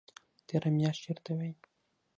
تېره میاشت چیرته وئ؟